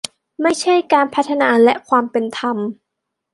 ไม่ใช่การพัฒนาและความเป็นธรรม